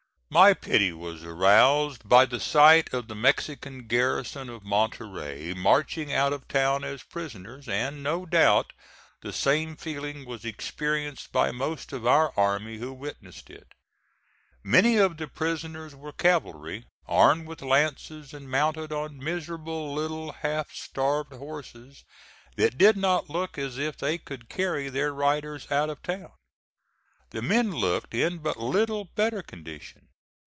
My pity was aroused by the sight of the Mexican garrison of Monterey marching out of town as prisoners, and no doubt the same feeling was experienced by most of our army who witnessed it. Many of the prisoners were cavalry, armed with lances, and mounted on miserable little half starved horses that did not look as if they could carry their riders out of town. The men looked in but little better condition.